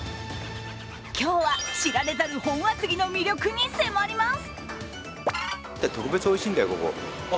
今日は知られざる本厚木の魅力に迫ります。